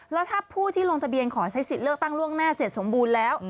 แล้วถ้าผู้ที่ลงทะเบียนขอใช้สิทธิ์เลือกตั้งล่วงหน้าเสร็จสมบูรณ์แล้ว